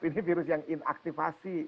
ini virus yang inaktivasi